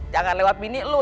jangan lewat bini lu